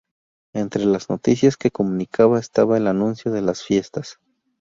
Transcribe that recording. Entre las noticias que comunicaba estaba el anuncio de las fiestas.